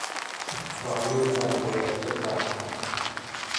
คว้ามีดฟันงูนั้นจนตาย